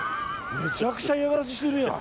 めちゃくちゃ嫌がらせしてるやん。